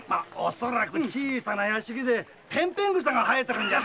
恐らく小さな屋敷でペンペン草が生えてるんじゃ。